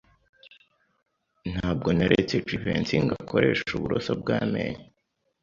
S] Ntabwo naretse Jivency ngo akoreshe uburoso bw'amenyo.